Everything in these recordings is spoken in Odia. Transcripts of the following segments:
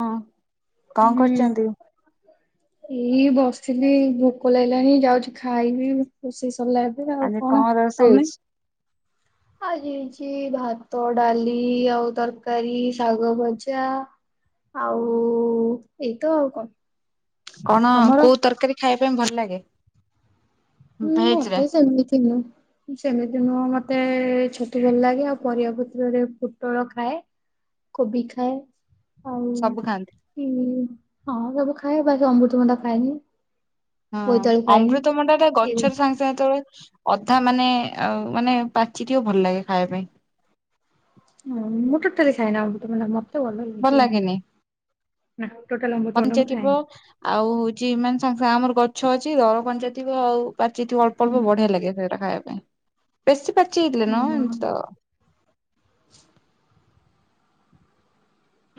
ହଁ କଣ ହୁଁ କରୁଛନ୍ତି? ଏଇ ବସ୍ ଆି ଭୋକ ଲାଗିଲାଣିି ଯାଉଛି ଖାଇବି ସରିଲା ଏବେ ଆଉ ଆଜି କଣ ରୋଷେଇ ତମେ? ହେଇଛି ଆଜି ହେଇଛି ଭାତ ଡାଲି ଆଉ ତରକାରୀ ଶାଗ ଭଜା ଆଉ ଏଇତ ଆଉ କଣ। କଣ ତମର? କୋଉ ତରକାରୀ ଖାଇବା ପାଇଁ ଭଲ ଲାଗେ? ହୁଁ ଭେଜ ରେ ମତେ ସେମିତିିନୁହୁଁ ସେମିତିିନୁହୁଁ ମ ମତେ ଛତୁ ଭଲ ଲାଗେ ଆଉ ପରିବା ପତ୍ର ରେ ପୋଟଳ ଖାଏ କୋବି ଖାଏ ଆଉ ସବୁ ଖାଆନ୍ତି ହଁ ସବୁ ଖାଏ ବାକି ଅମୃତ ଭଣ୍ଡା ଖାଏନି। ହଁ ବୋଇତାଳୁ ଖାଏନି ଅମୃତ ଭଣ୍ଡା ଟା ଏଇ ଗଛରୁ ସାଙ୍ଗେ ସାଙ୍ଗେ ତୋଳେ ଅଧା ମାନେ ଆ ମାନେ ପାଚିଟି ଭଲ ଲାଗେ ଖାଇବା ପାଇଁ। ହଁ ମୁଁ ଟୋଟାଲ ଖାୟେନି ଅମୃତ ଭଣ୍ଡା ମତେ ଭଲ ଲାଗେନି ହଁ। କଞ୍ଚା ଥିବ ଆଉ ହଉଛି ମାନେ ସାଙ୍ଗେ ସାଙ୍ଗେ ଆମର ଗଛ ଅଛି ଦର ପଣିଚା ଥିବ ଆଉ ଛି ଏଠି ଅଳ୍ପ ଅଳ୍ପ ବଢିଆ ଲାଗେ ସେଟା ଖାଇବା ପାଇଁ ବେଶୀ [unintelligible] ହୁଁ।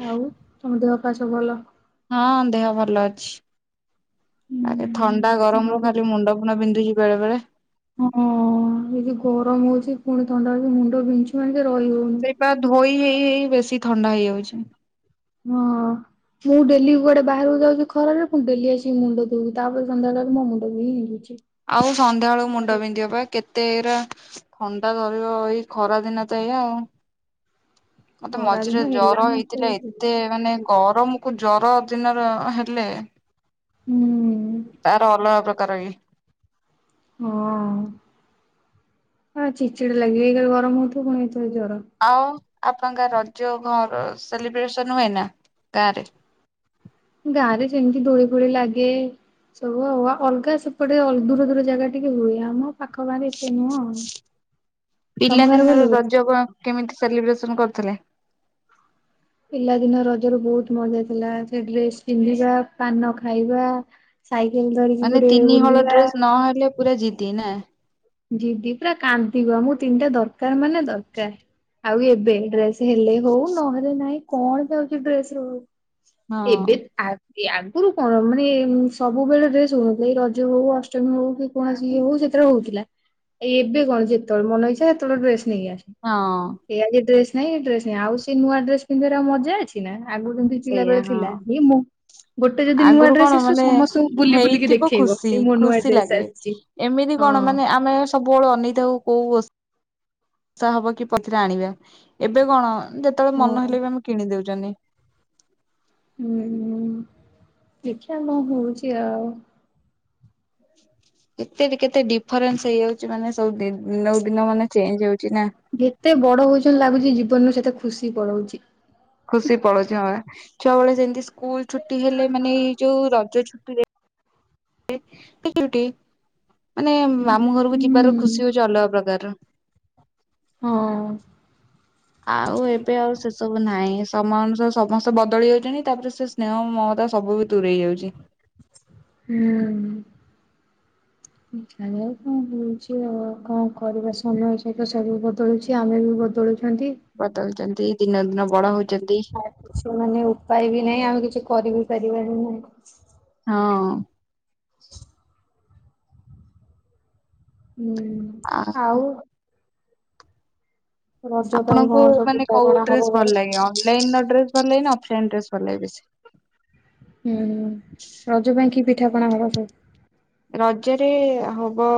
ଆଉ ତମ ଦେହ ପାା ସବୁ ଭଲ? ହଁ ଦେହ ଭଲ ଅଛି ଥଣ୍ଡା ହୁଁ ଗରମ ରୁ ଭଲ। ଖାଲି ମୁଣ୍ଡ କ ବିନ୍ଧୁଛି ବେଳେ ବେଳେ। ହଁ ଏି ଗରମ ହଉଛି ପୁଣି ଥଣ୍ଡାଛି ମୁଣ୍ଡ ବିନ୍ଛୁ ମ ସେଇପା ଧୋଇ ହେଇ ହେଇ ବେଶୀ ଥଣ୍ଡା ହେଇଯାଉଛି। ହଁ। ମୁଁ ଡେଲି କୁଆଡେ ବାହାରକୁ ଯାଉଛି ଖରରେ ପଣି ଡେଲି ଆସିକି ମୁଣ୍ଡ ଦୁଉଛି ତାପରେ ସନ୍ଧ୍ୟାବେଳଳେ ମୋ ମୁଣ୍ଡ ବି ହେଇଯାଉଛି। ଆଉ ସନ୍ଧ୍ୟାବେେଳକୁ ମୁଣ୍ଡ ବିନ୍ଧିବା ପାଇଁ କେତେ ଏତେ ଏଇରା ଥଣ୍ଡା ଧରିବ ଏଇ ଖରାଦିନ ତ ଏଇା ଆଉ। ମତେ ଖରା ଦିନ ମଝିରେ ହେଲା ଜର ମାତ୍ରେ ହେଇଥିଲା ହୁଁ ଏତେ ମାନେ ଗରମ ରମକୁ ଜର ଦିନରେ ହେଲେ ତାର ଅଲଗା ପ୍ରକାର। କର। ହଁ ଆ ଚିଚିଟା ଲାଗିବାଲି ଗରମ ହଉଥିବ ପୁଣି ଏ ସେ ଜର ଆଉ ଆପଣଙ୍କ ରଜ ଘର ସେଲିବ୍ରେସନ ହୁଏ ନା ଗାଁରେ? ଗାଁ ରେ ଯେମିତି ଦୋଳି ଫୋଳି ଲାଗେ ସବୁ ଆଉ ଅଲଗା ସେପଟେ ଦୂର ଦୂର ଜାଗା ଟିକେ ହୁଏ ଆମ ପାଖ ପାାଖ ଏତେ ନୁହଁ ଆଉ ତମ ଘାରେ ପିଲାଦିନର ଭଲ ରଜ କଣ କେମିତି ସେଲିବ୍ରେସନ କରଥିଲେ? ପିଲାଦିନ ରଜ ର ବହୁତ ମଜା ଥିଲା ସେ ଡ୍ରେସ ପିନ୍ଧିବା ପାନ ଖାଇବା ସାଇକେଲ ଧରିକି ମାନେ ଗୋଟେ ତିନି ହଳ ବଲିବ ଡ୍ରେସ ନହେଲେ ପୁରା ଜିତି ନା? ଦିଦି ପୁରା କାନ୍ଦିବ ମୁଁ ତିନିଟା ଦରକାର ମାନେ ଦରକାର। ଆଉ ଏବେ ଡ୍ରେସ ହେଲେ ହଉ ନହେଲେ ନାଇଁ କଣ ଯାଉଛି ଡ୍ରେସ ରଉ। ହଁ ଏବେ ଆ ଏ ଆଗରୁ କଣ ମାନେ ସବୁବେଳେ ଡ୍ରେସ ହୁନଥିଲା ଏଇ ରଜ ହଉ ଅଷ୍ଟମୀ ହଉ କି କୌଣସି ଇଏ ହଉ ସେ ହଉଥିଲା ଏ ଏବେ କଣ ଯେତେବେଳେ ମନେ ହେଇଛା ସେତେବେଳେ ଡ୍ରେସ ନେଇକି ଆସ ହଁ ଏ ଆଜି ଡ୍ର ନାଇଁ ଏଇ ଡ୍ରେସ ଆଉ ସେ ନୂଆ ଡ୍ରେସ ପିନ୍ଧିବାର ଆଉ ମଜା ଅଛି ନା ଆଗରୁ ଯେମିତି ସେଇଆ ପିଲାବେଳେ ହଁ। ଥିଲା ମୁଁ ଗୋଟେ ଯଦି ନୂଆ ଆଗରୁ ଡ୍ରେସ କଣ ଆସିବ ମାନେ ସମସ୍ତଙ୍କୁ ବୁଲି ବୁଲିକି ହେଇଥିବ ଦେଖେଇବ ଖୁସି ଏଇ ମୁୋ ନୂଆ ଖୁସି ଡ୍ରେସ ଲାଗେ। ଆସିଛି। ଏମିତି ହଁ। କଣ ମାନେ ଆମେ ସବୁବେଳେ ଅନିତାଉ କୋଉ ବସି ଆଷା ହବ କି ପଥରେ ଆଣିବା ଏବେ କଣ ଯେତେବେଳେ ମନ ହଁ। ହେଲେ ବି ଆମେ କିଣିଦଉଛୁ। [unintelligible] ହୁଁ ଦେଖିବା କଣ ହଉଛି ଆଉ। କେତେ କେତେ ଡିଫରେନ୍ସ ହେଇଯାଉଛି ମାନେ ସବୁ ନ ଦିନ ମାନେ ଚେଞ୍ଜ ହଉଛି। ନା। ଯେତେ ବଡ ହଉଛନ, ଲାଗୁଛି ଜୀବନରୁ ସେତେ ଖୁସି ପଳଉଛି। ଖୁସି ପଳଉଛି। ହଁ ବା ଛୁଆ ବେଳେ ସେମତି ସ୍କୁଲ ଛୁଟି ହେଲେ। ମାନେ ଏଇ ଯୋଉ ରଜ ଛୁଟିରେ [inaudible] ମାନେ ମାମୁଁ ଘରକୁ ଯିବାର ହୁଁ ଖୁସି ହଉଛି, ଅଲଗା ପ୍ରକାରର। ହଁ। ଆଉ ଏବେ ଆଉ ସେ ସବୁ ନାହିଁ। ସମୟ ଅନୁସାରେ ସମସ୍ତେ ବଦଳି ଯାଉଛନ୍ତି। ତାପରେ ସେ ସ୍ନେହ ମ ତ ସବୁ ବି ଦୂରେଇ ଯାଉଛି। ହୁଁ। ଆ କଣ ହଉଛି, ଆଉ କଣ କରିବା ସମୟ ସହିତ ସବୁ ବଦଳୁଛି, ଆମେ ବି ବଦଳୁଛୁ। ବଦଳୁଚନ୍ତି। ଦିନ ଦିନ ବଡ ହଉ ଆଉ, କିଛି ମାନେ ଉପାୟ ବି ନାହିଁ, ଆମେ କିଛି କରିବି ପାରିବାନି ନାହିଁ। ହଁ। ହୁଁ। ଆଉ, ରଜ ପାଇଁ ଆପଣଙ୍କୁ, କଣ ସବୁ ମାନେ କୋଉ ପିଠାପଣା ଡ୍ରେସ୍ ହବ ଘରେ? ଭଲ ଲାଗେ? ଅନ୍ ଲାଇନର ଡ୍ରେସ୍ ଅନ୍ ଲାଇନ ନା ଅଫ୍ ଲାଇନ ଡ୍ରେସ୍ ଭଲ ଲାଗେ ବେଶି? ହୁଁ, ରଜ ପାଇଁ କି ପିଠାପଣା ହବ ସବୁ? ରଜରେ ହବ,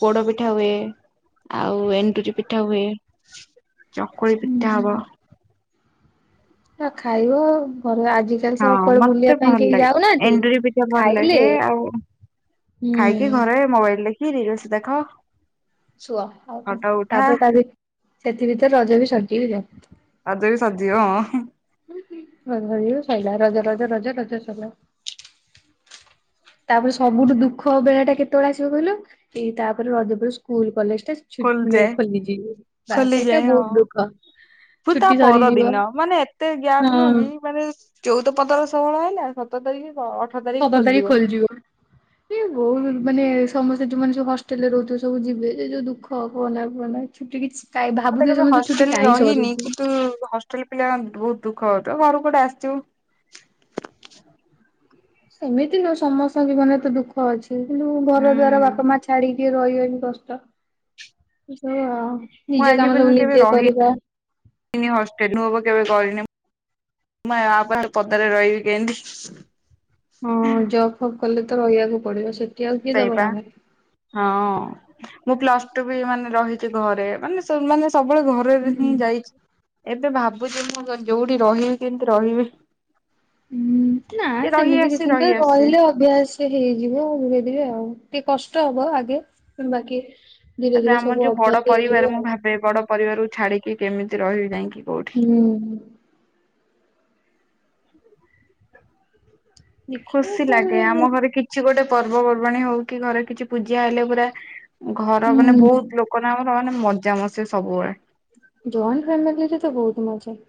ପୋଡପିଠା ହୁଏ। ଆଉ ଏଣ୍ଡୁରିପିଠା ହୁଏ, ଚକୁଳିପିଠା ହବ। ଆ ଖାଇବ ଆଉ। ଗଲା ଆଜି ହଁ, ମତେ ଭଲ ଲାଗେ। ଏଣ୍ଡୁରିପିଠା ଭଲ ଖାଇଲେ ଲାଗେ, ଆଉ ଖାଇକି ହୁଁ ଘରେ ମୋବାଇଲ ଦେଖି, ରିଲ୍ସ ଦେଖ। ଶୁଅ। ଆଉ କଣ ଫଟୋ ଉଠା ତାପରେ ତା ସେଥି ଭିତରେ ରଜ ବି ସରିଯିବ। ଅଜ ବି ସରିଯିବ। ହଁ। ରଜ ସରିଗଲେ ସଇଲା। ରଜ ରଜ ରଜ ରଜ ସଲା। ତାପରେ, ସବୁଠୁ ଦୁଃଖ ବେଳା ଟା କେତେବେଳେ ଆସିବ କହିଲୁ? ଏଇ ତାପରେ ରଜ ପରେ ସ୍କୁଲ କଲେଜ ହଠାତ୍ ଛୁଟ୍, ମାନେ ଖୋଲିଯାଏ ଖୋଲିଯିବ। ବା ସେଇଟା ବହୁତ ଦୁଃଖ! ସବୁ ଛୁଟି ତାପର ସରିଯିବ ଦିନ, ମାନେ ଏତେ ଗ୍ୟାପ୍ ନୁହଁ ହଁ। କି! ମାନେ ଚଉଦ ପଦର ଷୋହଳ ହେଲା ସତର ତାରିଖ୍ ସତର ତାରିଖ୍ ଖୋଲିଯିବ। ଇଏ ବହୁଦ ମାନେ, ସମସ୍ତେ ଯୋଉଁ ମାନେ ସବୁ ହଷ୍ଟେଲରେ ରହୁଥିବେ। ସବୁ ଯିବେ, ସେ ଯୋଉ ଦୁଃଖ! କୁହନା, କୁହନା ଛୁଟି କିଛି କାଇଁ ମୁଁ, ତ ଭାବୁଥିବେ କେବେ ସମସ୍ତେ ଛୁଟି ହଷ୍ଟେଲରେ କାଇଁ ରହିନି। ସରୁଛି କିନ୍ତୁ, ହଷ୍ଟେଲ ପିଲା ବୁହୁତ ଦୁଃଖ ତ ଘରକୁ ଗୋଟେ ଆସିଥିବୁ। ସେମିତି ନୁହଁ, ସମସ୍ତଙ୍କ ଜୀବନରେ ତ ଦୁଃଖ ଅଛି। କିନ୍ତୁ ହୁଁ ଘର ଦୁଆର ବାପା ମା ଛାଡିକି। ଟିକେ ରହିଗନି କଷ୍ଟ। ଏସଆଉ ମୁଁ, ଆଜି ପର୍ଯ୍ୟନ୍ତ କେବେ ରହିନିି ହଷ୍ଟେଲ? ମୁଁ ବି କେବେ କହି ମାନେ, ମୁଁ ଆ ପରେ ପଦାରେ ରହିବି କେଏଁତି? ହଁ, ଜବ୍ ଫବ୍ କଲେ ତ ରହିବାକୁ ପଡିବ। ସେତ୍ ସେଇପା ହଁ। ମୁଁ ପ୍ଲସ ଟୁ ବି ମାନେ ରହିଛି ଘରେ। ମାନେ ସ ମାନେ ସବୁବେଳେ ହୁଁ ଘରରେହିଁ ଯାଇଛି। ଏବେ ଭାବୁଛି ମୁଁ ଯୋଉଠି ରହିବି, କିଁତି ରହିବି? ହୁଁ, ନା ସେ ରହି ସେମିତି ଆସିଛି କିଛି ନୁହେଁ, ରହି ଆସିଛି। ରହିଲେ ଅଭ୍ୟାସ ହେଇଯିବ, ଧୀରେ ଧୀରେ ଆଉ। ଟିକେ କଷ୍ଟ ହବ ଆଗେ। କିମ୍ବା କି ତାପରେ ଆମର ଯୋଉ ବଡ ପରିବାର। ମୁଁ ଭାବେ ବଡ ପରିବାରକୁ ଛାଡିକି କେମିତି ରହିବି ଯାଇଁକି? ହୁଁ। ଦେଖିବା ଖୁସି ସେ ଲାଗେ। ମାନେ ହୁଁ ଆମ ଘରେ କିଛି ଗୋଟେ ପର୍ବ ପର୍ବାଣୀ ହଉ କି, ଘରେ କିଛି ପୂଜା ହେଲେ ପୁରା ଘର ମାନେ, ବହୁତ ଲୋକ ନା ଆମର। କହନି ମଜାମସି ସବୁବେଳେ। ଜଏଣ୍ଟ ଫାମିିଲିରେ ତ ବହୁତ ମଜା!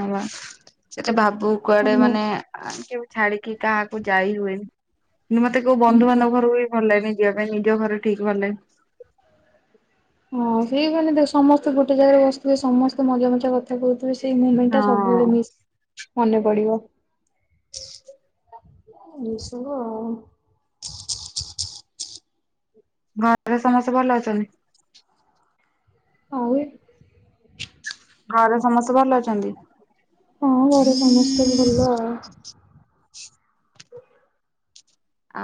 ହଁ ବା। ସେ ଟା ଭାବୁ କୁଆଡେ ମାନେ ସମସ୍ତେ ଅଁ କେଉ ଛାଡିକି କାହାକୁ ଯାଇ ହୁଏନି କିନ୍ତୁ ମତେ କୋଉ ହୁଁ। ବନ୍ଧୁବାନ୍ଧବ ଘର ବି ଭଲଲାଗେନି। ଯିବା ପାଇଁ ନିଜ ଘରେ ଠିକ ଭଲଲାଗେ। ହଁ ସେଇମାନେ ଦେଖ ସମସ୍ତେ ଗୋଟେ ଜାଗାରେ ବସିଥିବେ ସମସ୍ତେ ମଜା ମଜା କଥା କହୁଥିବ। ତ ସେଇ ମୁଁମେଣ୍ଟ ଟା ସବୁବେଳେ ହଁ ମିସ୍ ମନେପଡିବ। ରୁଷିବୁ ଆଉ। ଘରେ ସମସ୍ତେ ଭଲ ଅଛନ୍ତି? ଆଉ? ଘରେ ସମସ୍ତେ ଭଲ ଅଛନ୍ତି? ହଁ ଘର ସମସ୍ତେ ଭଲ ଆଉ।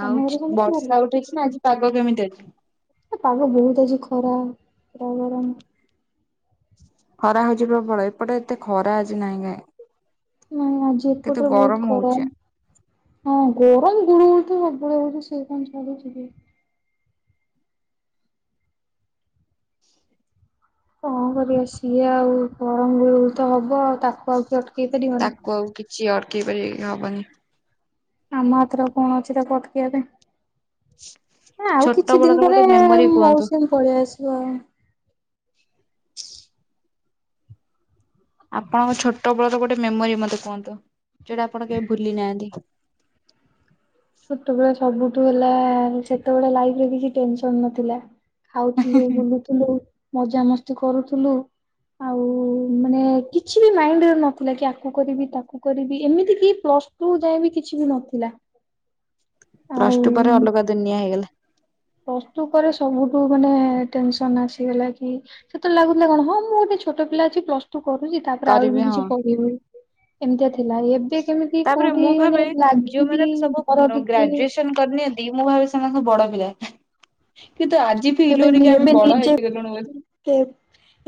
ତମ ଘରେ ସମସ୍ତେ ଭଲ? ବର୍ଷା ଉଠେଇଚି ନା ଆଜି ପାଗ କେମିତି ଅଛି? ପାଗ ବହୁତ ଅଛି ଖରା ପୂରା ଗରମ। ଖରା ହଉଚି ପ୍ରବଳ ଏପଟେ ଏତେ ଖରା ଆଜି ନାଇଁ କାଇଁ। ନାଇଁ ଆଜି କିନ୍ତୁ ଏପଟରେ ବହୁତ ଗରମ ଖରାପ ହଉଛି। ହଁ ଗରମ ଗୁଳୁ ଗୁଳି ତ ସବ୍ ବୁ ବେଳେ ହଉଚି ସେ କଣ ଛାଡୁଛି କି? କଣ କରିବା ସିଏ ଆଉ ଗରମ ଗୁଳୁଗୁଳି ତ ହବ ଆଉ ତାକୁ ଆଉ କିଏ ଅଟ କେଇ ପାରିବ ନା? ସିଏ ଅଟକେଇ ପାରିବେ କି ହେବନି। ଆମ ହାତର କଣ ଅଛି ତାକୁ ଅଟକେଇବା ପାଇଁ ଆଉ ଛୋଟ କିଛି ବେଳର ଦିନ ଗୋଟେ ପରେ ଏ ଏ ମେମୋରି କୁହନ୍ତୁ ମୌସୁମୀ ପଳେଇ ଆସିବ ଆଉ। ଆପଣଙ୍କ ଛୋଟ ବେଳର ଗୋଟେ ମେମୋରି ମତେ କୁହନ୍ତୁ ଯୋଟା ଆପଣ କେବେ ଭୁଲି ନାହାନ୍ତି। ଛୋଟବେଳେ ସବୁଠୁ ହେଲା ସେତେବେଳେ ଲାଇଫରେ କିଛି ଟେନସନ ନଥିଲା। ଖାଉଥିଲୁ ବୁଲୁଥିଲୁ ମଜାମସ୍ତି କରୁଥିଲୁ। ଆଉ ମାନେ କିଛି ବି ମାଇଣ୍ଡରେ ନଥିଲା କି ଆକୁ କରିବି ତାକୁ କରିବି ଏମିତି କି ପ୍ଲସ ସଟୁ ଯାଏ ବି କିଛି ବି ନଥିଲା। ଆଉ ପ୍ଲସଟୁ ପରେ ଅଲଗା ଦୁନିଆ ହେଇଗଲା। ପ୍ଲସଟୁ ପରେ ସବୁଠୁ ମାନେ ଟେନସନ ଆସିଗଲା କି ସେତେବେଳେ ଲାଗୁଥିଲା କଣ ହଁ ମୁଁ ଗୋଟେ ଛୋଟ ପିଲା ଅଛି ପ୍ଲସ ଟୁ କରୁଚି ତାପରେ ଆହୁରି ବି କରିବି ହଁ। କିଛି ପଢିବି। ଏମିତିଆ ଥିଲା ଏବେ କେମିତି ତାପରେ କୋଉଠି ମୁଁ ମାନେ ଭାବେ ଲାଗିବି ଘର ଟିକେ ନ ଦି ମୁଁ ଭାବି ସେଙ୍କ ବଡ ପିଲା। କିନ୍ତୁ ଆଜି ଫିଲ୍ ଏବେ ହଉନି କି ଆମେ ଏବେ ବଡ ନିଜେ ହେଇଗଲୁଣୁ ବୋଲି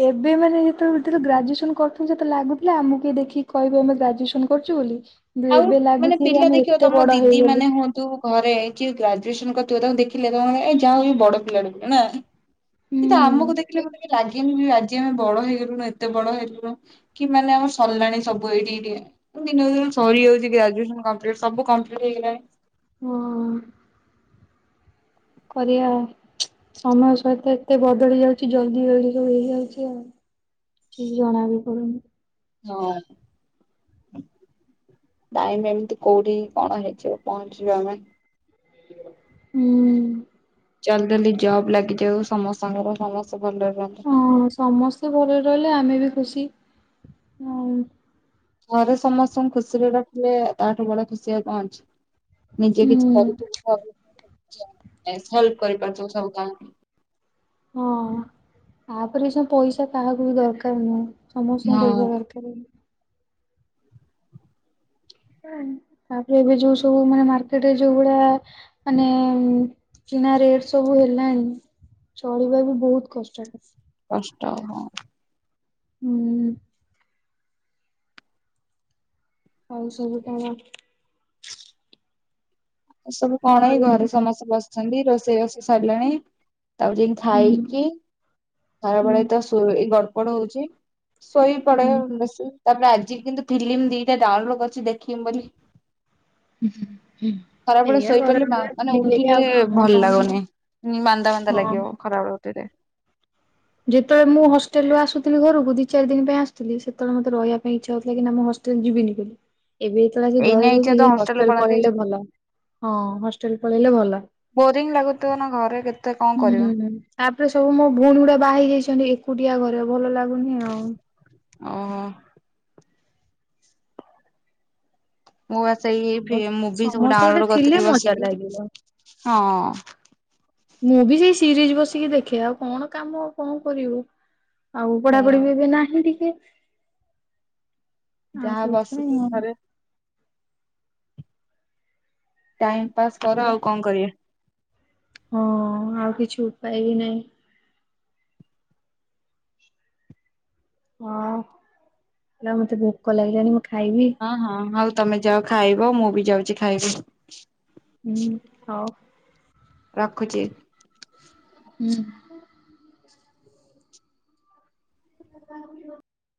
ଏବେ ମାନେ ଭିତରେ ଗ୍ରାଜୁଏସନ କରୁଥିଲି ସେତେ ଲାଗୁଥିଲା ଆମକୁ କିଏ ଦେଖି କହିବେ ଆମେ ଗ୍ରାଜୁଏସନ କରଚୁ ବୋଲି? କିନ୍ତୁ ଆଉ ଏବେ ମାନେ ଲାଗୁଛି କି ପିଲା ଆମେ ଦେଖିବ ଏତେ ତମ ବଡ ଦିଦି ହେଇଗଲୁ। ମାନେ ହୁଅନ୍ତୁ ଘରେ କି ଗ୍ରାଜୁଏସନ କରି ତାକୁ ଦେଖିଲେ ତ ଏଇ ଯାହା ହଉ ବଡ ପିଲା ନା କିନ୍ତୁ ଆମକୁ ଦେଖିଲେ ହୁଁ। ମତେକାଇଁ ଲାଗେନି ବି ଆଜି ଆ ଆମେ ବଡ ହେଇଗଲୁୁ ଏତେ ବଡ ହେଇଗଲୁଣି, କି ମାନେ ଆମର ସରିଲଣି ସବୁ ଏଇଠି ଏଇଠ ଦିନ ଦିନ ସରିଯାଇଚି ଗ୍ରାଜୁଏସନ କମ୍ପିଲଟି ସବୁ କମ୍ପ୍ଲିଟ ହେଇଗଲାଣି। ହଁ। କରିଆ ସମୟ ସହିତ ଏତେ ବଦଳି ଯାଉଚି ଜଲଦି ଜଲଦି ସବୁ ହେଇଯାଉଚି ଆଉ ଠିକ ଜଣା ବି ପଡୁନି। ହଁ। ନାଇମ ଏମିତି କୋଉଠି କଣ ହେଇଯିବ ପହଞ୍ଚିବ ଆମେ ହୁଁ। ଚାଲ ଚାଲି ଜବ୍ ଲାଗିଯାଉ ସମସ୍ତଙ୍କର ସମ ହଁ ସମସ୍ତେ ଭଲରେ ରହିଲେ ଆମେ ବି ଖୁସି। ଆ ଘରେ ସମସ୍ତଙ୍କୁ ଖୁସିରେ ରଖିଲେ ତାଠୁ ବଡ ଖୁସି ଆଉ କଣ ଅଛି। ନିଜେ ବି କିଛି ହୁଁ କରୁଥିବୁ [unintelligible] ହେଲ୍ପ କରି ପାରୁଥିବୁ ସମସ୍ତଙ୍କର। ହଁ ତାପରେ ସେ ପଇସା କାହାକୁ ବି ଦରକାର ନୁହେଁ। ସମସ୍ତ ଙ୍କୁ ହଁ ପଇସା ଦରକାର। ତାପରେ ଏବେ ଯୋଉ ସବୁ ମାନେ ମାର୍କେଟରେ ଯୋଉ ଭଳିଆ ମାନେ କ ସୁନା ରେଟ ସବୁ ହେଲାଣି ଚଳିବା ବି ବହୁତ କଷ୍ଟ। ଷ୍ଟ ହଁ। ହୁଁ। ଆଉ ସବୁ କଣ? ଏ ସବୁ କଣ ଏଇ କହିବି ଘରେ ସମସ୍ତେ ବସିଛନ୍ତି, ରୋଷେଇ ବାସ ସରିଲାଣି। ତାକୁ ଯାଇଁ ହୁଁ ଖାଇକି ହୁଁ ଖରାବେଳେ ତ ଶୋଇ ଏଇ ଗଡପଡ ହଉଚି। ଶୋଇ ପଡେ ହୁଁ ବେଶୀ, ତାପରେ ଆଜି କିନ୍ତୁ ଫିଲିମ୍ ଦିଟା ଡାଉନଲୋଡ କରିଛି ଦେଖ ଉଁ ହୁଁ ହୁ। ଖରାବେଳେ ଶୋଇ ପଡ଼ିଲେ ମା ମାନେ ଉଠିଲେ ଆଉ କାମ ଭଲ କଣ ଲାଗୁନି ମାନ୍ଦା ମାନ୍ଦା ହଁ ଲାଗିବ ଖରାବେଳ ଟାରେ। ଯେତେବେଳେ ମୁଁ ହଷ୍ଟେଲରୁୁ ଆସୁଥିଲି ଘରକୁ ଦି ଚାରି ଦିନ ପାଇଁ ଆସୁଥିଲି ସେତେବେଳେ ମତେ ରହିଆ ପାଇଁ ଇଚ୍ଛା ହଉଥିଲା କି ନା ମୁଁ ହଷ ଷ୍ଟେଲ ଯିବିନି ବୋଲି। ଏବେ ଯେତେବେଳେ ଆସି ଏଇନା ଘରେ ଇଚ୍ଛା ରହୁଚି, ତ ହେ ହଷ୍ଟେଲ ପଳାନ୍ତି ପଳେଇଲେ ଭଲ ହଁ ହଷ୍ଟେଲ ପଳେଇଲେ ଭଲ। ବୋରିଂ ଲାଗୁଥିବ ନା ଘରେ କେତେ କଁ ହୁଁ କରିବ। ତାପରେ ସବୁ ମୋ ଭଉଣୀ ଗୁଡା ବାହା ହେଇ ଯାଇଛନ୍ତି ଏକୁଟିଆ ଘରେ ଭଲ ଆ ଲାଗୁନି ଆଉ। ଓହୋ ମୁଁ ବା ସେଇ ମୁଭି ସବୁ ସମସ୍ତେ ଗୋଟେ ଡାଉନଲୋଡ ଥିଲେ କରିଥିଲି ମଜା ବସିକି ଲାଗିବ। ହଁ। ମୁଁ ବି ସେଇ ସିରିଜ ବସିକି ଦେଖେ ଆଉ କଣ କାମ ଆଉ କଣ କରିବୁ। ଆଉ ସେଇଆ ପଢାପଢି ବି ଏବେ ନାହିଁ ଟିକେ। ଆଉ ଯାହା ସେଇଥିପାଇଁ ବସକି ଘରେ। ଟାଇମ ପାସ୍ କର ଆଉ କଣ କରିଆ। ହଁ ଆଉ କିଛି ଉପାୟ ବି ନାହିଁ। ହଁ କହିଲି ଆଉ ମତେ ଭୋକ ଲାଗିଲାଣିି ହଁ ହଁ ହଉ ତମେ ଯାଅ ଖାଇବ, ମୁଁ ବି ଯାଉଛି ଖାଇବି। ହୁଁ ହଉ। ରଖୁଚି। ହୁଁ। [unintelligible]